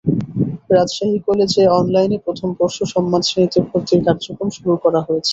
রাজশাহী কলেজে অনলাইনে প্রথম বর্ষ সম্মান শ্রেণীতে ভর্তির কার্যক্রম শুরু করা হয়েছে।